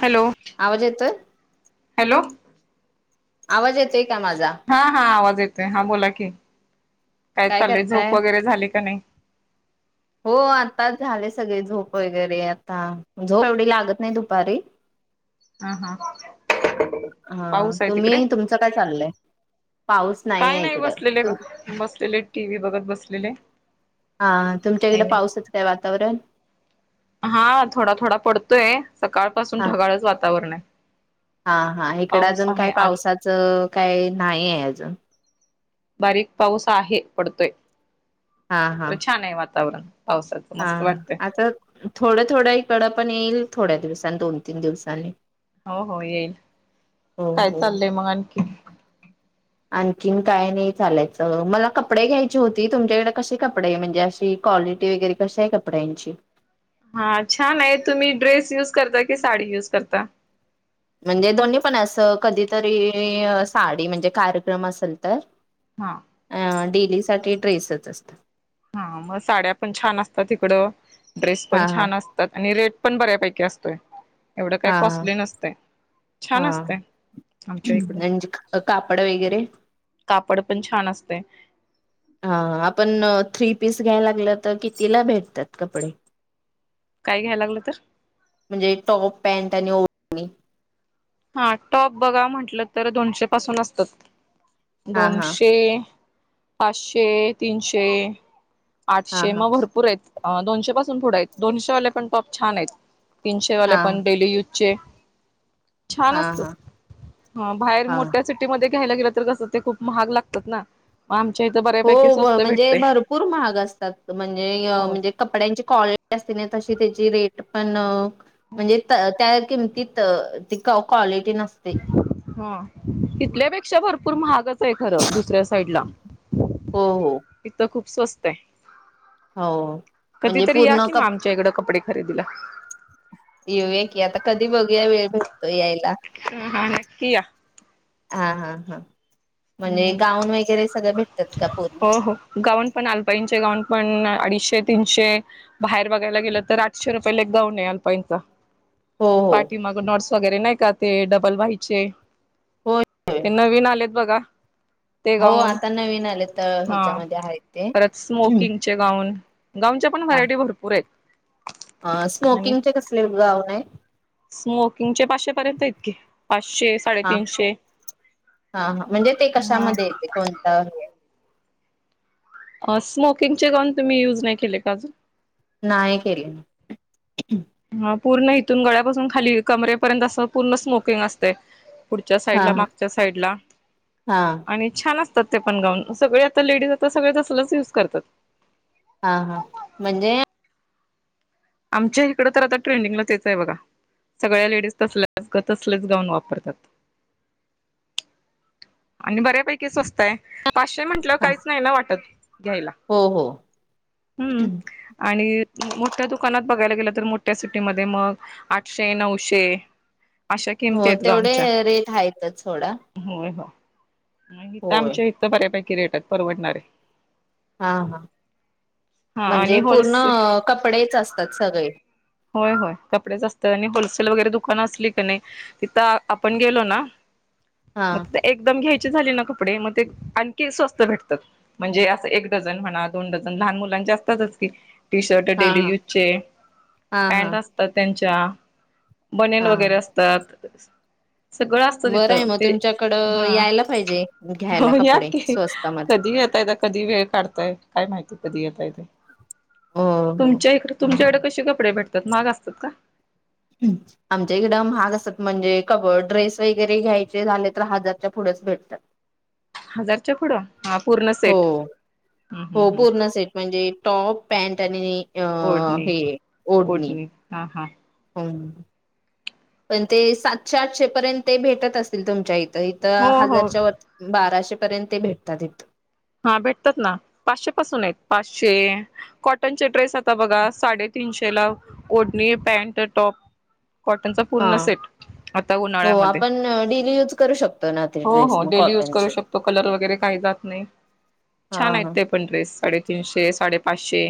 Hello आवाज येतोय hello आवाज येते हा हा आवाज देते हा बोला की काय काय चाललंय करताय झोप वगैरे झाली का नाही हो आता झाले सगळे झोप वगैरे आता झोप एवढी लागत नाही दुपारी हा हा हा पाऊस आहे तिकडे तुम्ही तुमचं काय चाललय काय नाही बसलेले बसलेले टी व्ही बघत बसलेले हा नाही तुमच्याकडे नाही पाऊसच काय वातावरण? हा थोडा थोडा पडतोय. सकाळ पासून हा ढगाळच वातावरण आहे. हा हा इकडे पाऊस अजून आहे काय आज पावसाचं काही नाही आहे अजून बारीक पाऊस आहे पडतोय. हा हा अ छान आहे वात तेवढं हा आता थोडं थोडं इकडं पण येईल थोड्या दिवसांनी दोन तीन दिवसांनी हो हो येईल. हो काय हो चाललंय मग आणखी? आणखीन काय नाही चालायचं मला कपडे घ्यायचे होते. तुमच्याकडे कसे कपडे आहे म्हणजे अशी क्वालिटी वगैरे कसे आहे कपड्यांची? कुर्ता की साडी युज करता? म्हणजे दोन्ही पण असं कधीतरी साडी म्हणजे कार्यक्रम असेल तर हा. अ डेली साठी ड्रेसच असतं हा मग साड्या पण छान असतात इकडं ड्रेस पण हा हा छान असतात आणि रेट पण बऱ्यापैकी असतोय एवढं काय हा कॉस्टली नसतय छान हा असतय आमच्या इकड म्हणजे कापड वगैरे कापड पण छान असतय हा आपण थ्री पीस घ्यायला गेल तर कितीला भेटतात कपडे? काय घ्यायला लागलं तर म्हणजे टॉप पॅट आणि ओ नाही. हा टॉप बघा म्हटलं तर दोनशे पासून असतात. हा हा दोनशे पाचशे, तीनशे हा आठशे हा मग भरपूर आहेत अह दोनशे पासून पुढे आहेत दोनशे वाले पण टॉप छान आहेत. तीनशे वाले हा पण डेली यूज चेक छान हा असत हा हा बाहेर मोठ्या सिटीमध्ये घ्यायला गेलं तर कस ते खूप महाग लागतात ना. आम हो ग म्हणजे भरपूर महाग असतात म्हणजे हो म्हणजे कपड्यांची क्वालिटी असते ना तशी त्याची रेट पण म्हणजे त त्यात किंमतीत टिकाऊ क्वालिटी नसते हा तिथल्यापेक्षा तर पण महागच आहे. खरं दुसऱ्या साईड ला हम हम स्वस्त हाय हो म्हणजे या पूर्ण कि मग कपडे आमच्या इकडं कपडे खरेदीला येऊया की आता कधी बघूया वेळ भेटतो यायला. हा नकीया हा हा हा म्हणजे हम्म गाऊन वगैरे सगळं भ हो हो गाऊन पण अल्फाइंच गाउन पण अडीचशे तीनशे बाहेर बघायला गेलं तर आठशे रुपयेला गाऊन आहे अल्पाईंचा हो हो पाठिमाग नाँड्स वगैरे नाही का ते डबल व्हायचे. हो ते नवीन आलेत बघा. ते हो गाऊन आता नविन आलेत हा ह्याच्यामध्ये आहे ते परत स्मोकिंगचे गाऊन गाऊनच्या पण व्हरायटी भरपूर आहेत. अ स्मोकिंगचे कसले गाऊन नाही. स्मोकिंग चे पाचशे पर्यंत आहेत कि पाचशे हा साडेतीीनशे हा हा म्हणजे ते हम. कशामध्ये येते कोणता अ स्मोकिंगचे गाऊन तुम्ही युज नाही केले का अजून नाहीय केले. हा पूर्ण इथून गळ्यापासून खाली कमरेपर्यंत अस पूर्ण स्मोकिंग असते. पुढच्या साईड हा ला हा मागच्या साईड ला हा आणि छान पण गाऊन सगळे आता लेडीज आता सगळे तसलच युज करतात. हा हा म्हणजे आमच्या इकड तर आता ट्रेंडिंगलाच तेच आहे. बघा सगळ्या लेडीज तसल्याच तसलेच गाऊन वापरतात. आणि बऱ्यापैकी स्वस्त आहे. पाचशे म्हंटलंवर हा काहीच नाही ना वाटत घ्यायला. हो हो हम् आणि मोठया दुकानात दुकानात बघायला गेलं तर मोठ्या सिटीमध्ये मग आठशे नऊशे अशा किमती हो आहेत तेवढे गावच्या रेट आहेतच सोडा होय हो होय आमच्या इथं बऱ्यापैकी कि रेटात परवडणारे हा हा हा आणि म्हणजे पूर्ण होलसेल कपडेच असत. ात सगळे होय होय कपडे जास्त असतात आणि होलसेल वगैरे दुकानं असली का नाही तिथं आपण गेलो ना हा मग एकदम घ्याय कपडे मग आणखी स्वस्त भेटतात म्हणजे अस डझन म्हणा दोन डझ लान मुलांचेअसतात की टी शर्ट हा डेली हा यूजचे हा हा पॅ्ट असतात त्यांच्या चा बनेन हा वगैरे असतात [inaudible] सगळं असत बरं आहे तिथं मग ते तुमच्याकडं हा यायला पाहिजे घ्यायला हो या कपडे की स्वस्तामध्ये कधी येतय तर कधी वेळ काढताय काय माहिती कधी येत कात हो हो तुमच्या इकडे तुमच्याकडे कसे कपडे भटते त्यात मग असतात का आमच्या इकडं महाग असत म्हणजे कब ड्रेस वगैरे घ्यायचे झाले तर हजारच्या पुढेच भेटतात हजार चकड हो हो हम्म हम्म पूर्ण सेट म्हणजे टॉप पॅंट आण आणिनी अ ओढणी हे ओढणी हा हा पण ते सातशे आठशे पर्यंत ते भेटत असतील तुमच्या इथ इथ हो हो हजारच्या व बाराशे र्यंत ते भेटतात हा भेटतात ना पाचशे पासून आहेत पाचशे कॉटनचे ्रेस आता बघा साडेतीीनशे चला ओढणी पॅनट टॉप कॉटनचा हा पूर्ण सेट आता हो उन्हाळ्यामध्ये आपण डेली यूज करू शकतो ना ते हो ड्रेस हो मग डेली यूज करू कॉटनचे शकतो कलर वगैरे काही जात नाही हा छान आहेत हा ते पण ्रेस साडेतीीनशे साडे पाशे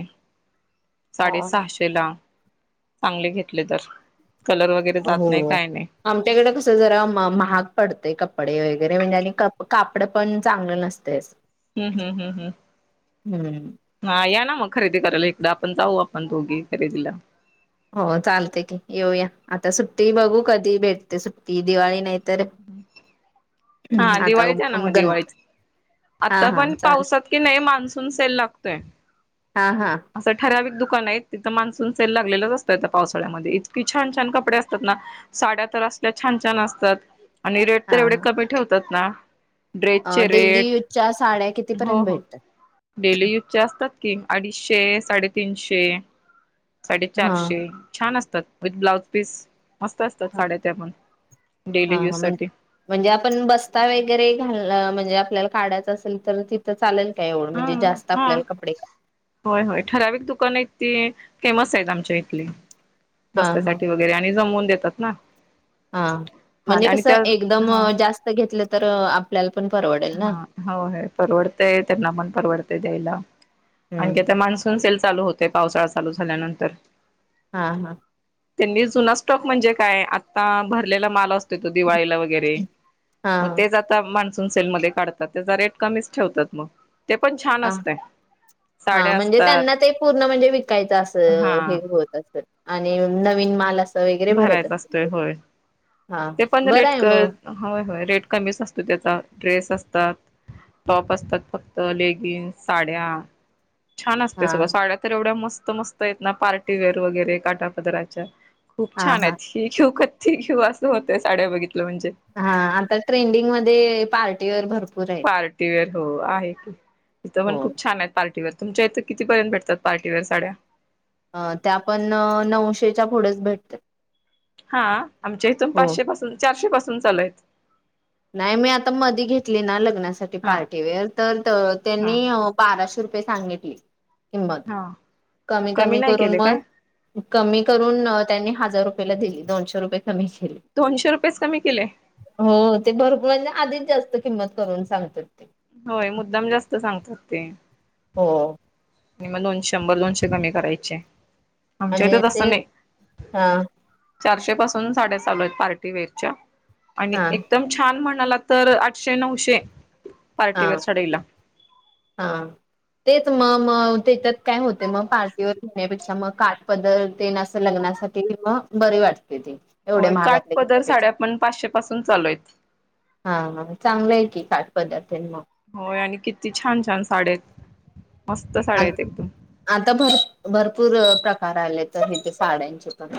साडे हा. हा. सहाशे ला चांगले घेतले तर कलर वगैरे हो जात नाही काय नाही आमच्याकडे कस जरा महाग पडतय कपडे व वगैरे म्हणजे आणि कापड पण चांगलं नसतेस हम्म हम्म हम्म हम्म हा या ना मग खरेदी करायला आपण जाऊ आपण दोघी खरेदीला हो चालते की येऊया आता सुट्टी बघू कधी भेटते सुट्टी दिवाळी नाही तर हा आता दिवाळीच आहे ना मगं दिवाळी गणप हा आता हा पण चालेल पावसात कि नाही मान्सून सेल लागतोय हा हा असं ठराविक दुख का नाही तिथं मान्सून सेल लागलेच असतय त्या पावसाळ्यामध्ये इतकी छान छान कपडे असतात, ना साड्या तर असल्या छान छान असतात आणि रेट तर हा हा. एवढे कमी ठेवतात ना. ड्रेसचे डेली रेट, यूजच्या साड्या हो कितीपर्यंत हो भेटतात? डेली यूज, चे असतात ना? अडीचशे, साडेतीनशे, हा साडेचारशे, छान असतात. विथ्त ब्लाऊज पीस, मस्त असतात हा साड्या त्या, पण हा डेली म्हण यूजसाठी, म्हणजे आपण बस्ता वैगरे घा आपल्याला काढायंच असेल तर तिथं चालेल काय एवढं हा म्हणजे जास्त हा, आपल्याला कपडे होय होय, ठराविक दुकान आहेत ते फेमस आहेत आमच्या इथले- हा हा बस्त्यासाठी वगैरे आणि जमवुन देतात ना? हा हा म्हणजे आणि कसं त्या एकदम हा जास्त घेतलं तर आपल्याला पण परवडेल ना. हा हो परवडतय त्यांना, मन परवडतय द्यायला. आणखी त्या हम्म मान्सून से चालू होते, पावसाळा चालू झाल्यानंतर, हा हा. त्यांनी जुना स्टॉक म्हणजे काय? आता भरलेला माल असतो तो दिवाळीला [inaudible] हा सेल मध्ये काढतात त्याचा रेट कमीच ठेवतात मगं? अ हा साड्या म्हणजे असतात त्यांना ते पूर्ण म्हणजे विकायचं हा असं हे होत अस आणि नवीन माल अस भरायचा असतोय होय. हा ते पण बरं रेट आहे होय, मग हो रेट कमीच असतो त्याचा ड्रेस असतो. टॉप असतात, फक्त लेगिंग्स साड्या, छान असते हा साड्या तर एवढ्या मस्त मस्त मस्त आहेत ना पार्टीवेअर वगैरे, काटा पदराच्या खूप हा छान हा आहेत ठीक आहे बास होतेय साड्या बगैित हा आता ट्रेंडिंग मध्ये पार्ट र भर पार्टी वेअर हो आहे की तिं हो. पण खूप छान आहेत पार्टीवर तुमच्या इथं कितीपर्यंत भेटतात पार्टीवेअर साड्या अ त्या पण नऊशेच्या पुढेच भेटत हा आमच्या इथून पाचशे पासून चारशे पासून चालय नाही मी आता मध घेतली ना लग्नासाठी हा पार्टीवेअर तर हा त्यांनी बाराशे रुप सांगितली किंमत हा कमी कमी नाही करून केले काय मग कमी करून त्यांनी हजार रुपया ला दिली दोनशेुये दोनशे रुपयेच कमी केले हो भरपूर आधीच जास्त किंमत करून सांगत होय मुद्दाम जास्त सांगतात ते ह आणि मग दोनशे शंभर दोनशे कमी करायचे आमच्या इथ आणि असं ते नाही हा चारशे पासून साडे्या चालू आहेत पार्टीवेरच्या आणि हा एकदम छान म्हण ला तर आठशे नऊशे हा पार्टीवेअर साडीला हा तेच मम त्याच्यात काय होते मग पार्टीवर घेण्यापेक्षा मग काठ पद्ल देण्या असं लग्नासाठी मग बरे वाटते एवढ्या होय महागातले काठपदर घेण्यापेक्षा साड्या पण पाचशे पासून चालू आहेत हा चांगलं आहे की का पदत त्यां होय आणि किती छान छान साड आ आता भर भरपूर प्र आले तर हेथे साड्यांचे पण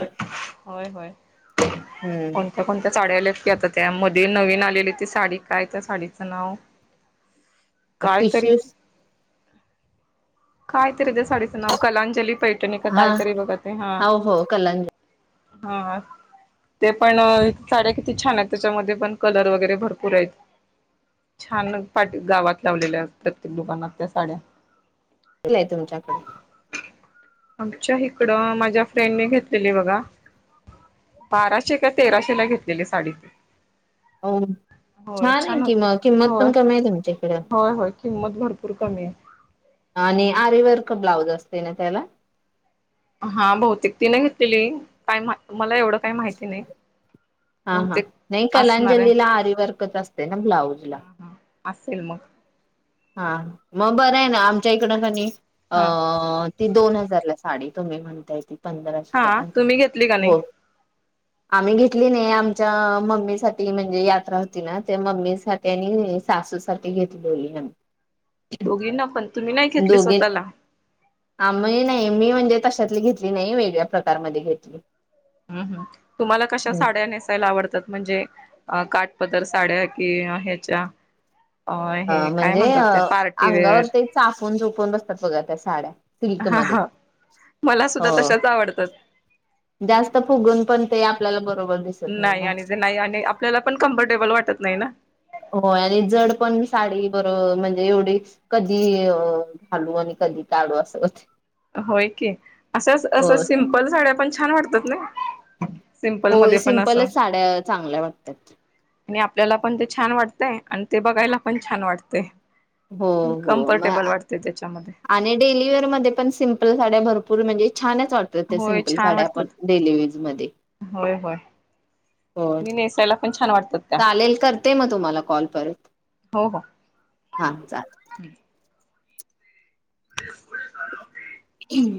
होय होय हम्म कोणत्या कोणत्या साचाड्याले ी आता त्या मध्ये नवीन आलेली ती साडी काय त्या साडीचं नाव कायतरी टिश्यूस खाय त्या साडीचं नाव कलाजली पैठणी का हा कायतरी बघ ते हा. हो हो कलंजी हा ते पण साड्या किती छानेत त्याच्यामध्ये पण कलर वगैरे भरपूरेत छान पाट गावात लावलेल्यात प्रत्येक दुकानात त्या साड्या. आहे तुमच्याकडे आमच्या इकडं माझ्या फ्रेंडने घेतलेली बघा बाराशे का तेराशेला घेतलेली साडी. हाऊ होय छाने छान कि मग होत किंमत होय पण कमीये तुमच्या इकडं. होय होय किंमत भरपूर कमी आहे आणि आरीवर्क ब्लाउज असते ना त्याला. हा बौतेक तीने घेतलेली काय मला एवढं. काही माहिती नाही हा हा बहुतेक नाही असणार कलाजलीला आहे आरी वर्कच असते ना ब्लाउज ला. असेल मग. हा मग बरंये ना आमच्या इकडं कणी अ हा ती दोन हजारला साडी. तुम् म्हणतायेते. हा तुम्ही घेतली का नाही. आम्ही घेतली नाही आमच्या मम्मी साठी म्हणजे यात्रा होती ना तेव्हा मम्मी साठी आणि सासू साठी घेतली. दोघी ना पण तुम्ही नाही घेतली दोघी स्वतःला आमि नाही मी म्हणजे तशातली घेतली नाही वेगळ्या प्रकारमध्ये घेतली हम् हम तुम्हाला कश्या साड्या नेसायला आवडतात म्हणजे काट पदर साड्या कि ह्याच्या- अ हे काय म्हणजे म्हणतात अ ते अंगावर पार्टीवेअर ते चापून चोपून बसतात बघा त्या साड्या. सिल्क हा मध्ये हा मला अ सुद्धा तशाच आवडतात जास्त फुगून पण आपल्याला ब नाही आणि ते नाही आणि आपल्याला पण कम्फर्टेबल वाटत नाही ना. होय आणि जड पण साडी बर म्हणजे एवढी कधी घालू आणि कधी काढू असं होतया. होय की असं असं सिंपल साड्या- पण छान वाटतात ना. सिम्पल होय मध्ये पण असं सिम्पलच साड्या चांगल्या वाटतात. आणि आपल्याला पण ते छान वाटतय आणि ते बघायला पण छान वाटतय. हो हो म कम्फर्टेबल वाटते त्याच्यामध्ये आणि डेलीवेअर मध्ये पण सिम्पल साड्या भरपूर म्हणजे- छानच वाटतात त्या होय सिम्पल छान साड्या आपण वाटतात डेलीवेअर चा. मध्ये- होय होय. हो आणि नेसायला पण छान वाटतात त्या चालेल करते मग तुम्हाला कॉल परत हो हो हा चालेल. ब तीन